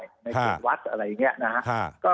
ในเขตวัดอะไรอย่างนี้นะครับ